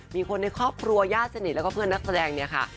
มีคนในครอบครัวญาติสนิทแล้วก็เพื่อนนักแสดงเนี่ยค่ะ